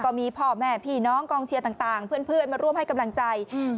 ก็มีพ่อแม่พี่น้องกองเชียร์แต่งเพื่อนมาร่วมให้กำลังใจ